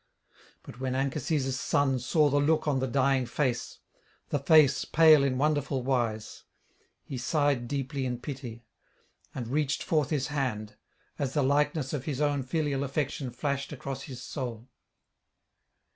But when Anchises' son saw the look on the dying face, the face pale in wonderful wise, he sighed deeply in pity, and reached forth his hand, as the likeness of his own filial affection flashed across his soul.